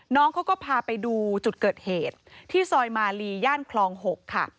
น้องเขาก็พาไปดูจุดเกิดเหตุที่ซอยมาลีย่านคลอง๖ค่ะ